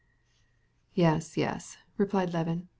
"Yes, yes," repeated Levin.